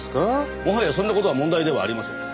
もはやそんな事は問題ではありません。